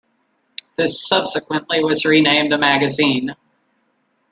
This subsequently was renamed "The Magazine".